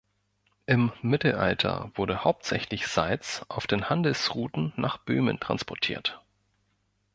Im Mittelalter wurde hauptsächlich Salz auf den Handelsrouten nach Böhmen transportiert.